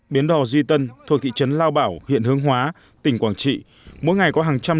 biến đò duy tân thuộc thị trấn lao bảo huyện hương hóa tỉnh quảng trị mỗi ngày có hàng trăm